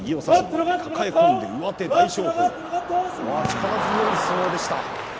力強い相撲でした。